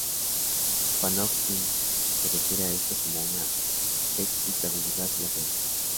Panofsky se refiere a esto como una ≪excitabilidad latente≫.